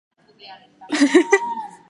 Matxinsaltoek ez omen dakite igerian.